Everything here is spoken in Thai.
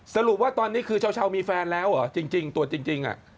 สรุปว่าตอนนี้คือเช้ามีแฟนแล้วเหรอจริงตัวจริง